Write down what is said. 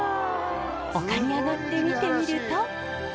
陸に上がって見てみると。